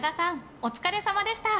お疲れさまでした。